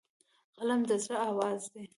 قلم د زړه آواز دی